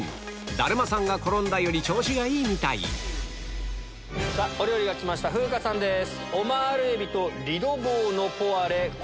だるまさんが転んだより調子がいいみたいお料理がきました風花さんです。